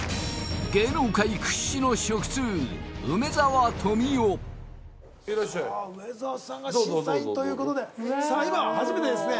芸能界屈指の食通さあ梅沢さんが審査員ということでさあ今初めてですね